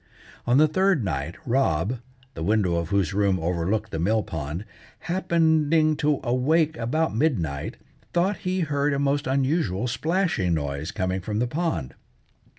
On the third night Rob, the window of whose room overlooked the mill pond, happening to awake about midnight, thought he heard a most unusual splashing noise coming from the pond.